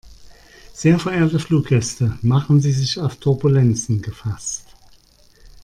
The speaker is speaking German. Sehr verehrte Fluggäste, machen Sie sich auf Turbulenzen gefasst.